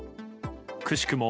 くしくも